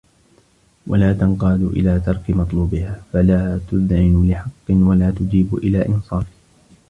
وَلَا تَنْقَادُ إلَى تَرْكِ مَطْلُوبِهَا ، فَلَا تُذْعِنُ لِحَقٍّ وَلَا تُجِيبُ إلَى إنْصَافٍ